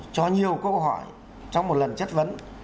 cho nhiều câu hỏi trong một lần chất vấn